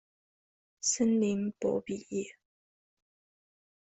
森林博比耶。